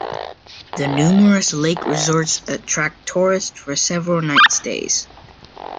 The numerous lake resorts attract tourists for several-night stays.